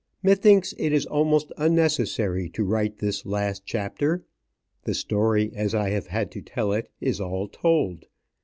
Methinks it is almost unnecessary to write this last chapter. The story, as I have had to tell it, is all told.